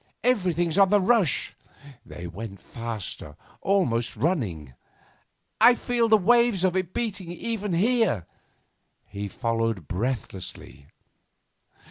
Everything's on the rush.' They went faster, almost running. 'I feel the waves of it beating even here.' He followed breathlessly.